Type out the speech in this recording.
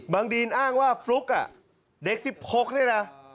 ดีนอ้างว่าฟลุ๊กเด็ก๑๖นี่นะ